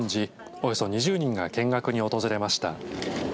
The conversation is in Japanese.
およそ２０人が見学に訪れました。